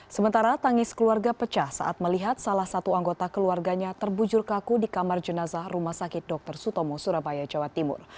sementara tangis keluarga pecah saat melihat salah satu anggota keluarganya terbujur kaku di kamar jenazah rumah sakit dr sutomo surabaya jawa timur